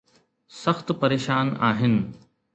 سخت پريشان آهن.